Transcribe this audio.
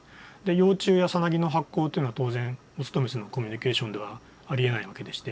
幼虫やさなぎの発光っていうのは当然オスとメスのコミュニケーションではありえないわけでして。